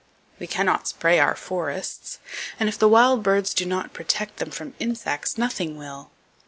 We cannot spray our forests; and if the wild birds do not protect, them from insects, nothing will!